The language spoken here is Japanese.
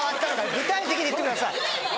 具体的に言ってください。